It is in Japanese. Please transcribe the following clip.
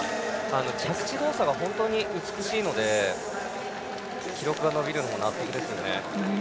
着地動作が本当に美しいので記録が伸びるのも納得ですね。